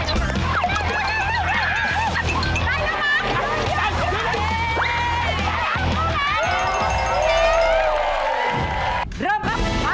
หมุนสิดีละ